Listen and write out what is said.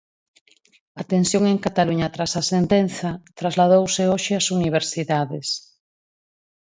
A tensión en Cataluña tras a sentenza trasladouse hoxe ás universidades.